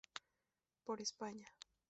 Por España".